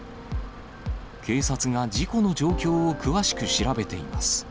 警察が事故の状況を詳しく調べています。